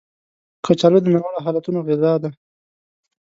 کچالو د ناوړه حالتونو غذا ده